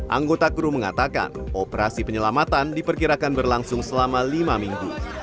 anggota kru mengatakan operasi penyelamatan diperkirakan berlangsung selama lima minggu